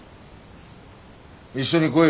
一緒に来い。